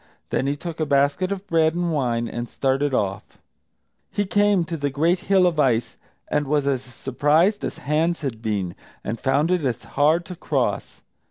Then he took a basket of bread and wine, and started off. He came to the great hill of ice, and was as surprised as Hans had been, and found it as hard to cross.